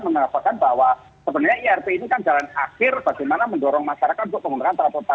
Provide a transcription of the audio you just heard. mengatakan bahwa sebenarnya irp ini kan jalan akhir bagaimana mendorong masyarakat untuk menggunakan transportasi